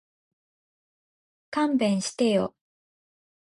勘弁してよ